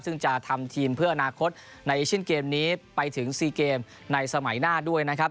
ซึ่งจะทำทีมเพื่ออนาคตในเอเชียนเกมนี้ไปถึง๔เกมในสมัยหน้าด้วยนะครับ